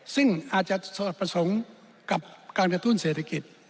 ซึ่งอาจจะสวดประสงค์กับการกระตุ้นเศรษฐกิจ